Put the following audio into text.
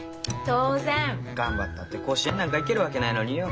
当然！頑張ったって甲子園なんか行けるわけないのによ。